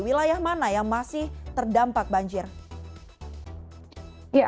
wilayah mana yang masih terdampak banjir